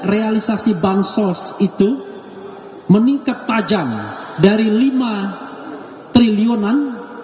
realisasi bansos itu meningkat tajam dari lima triliunan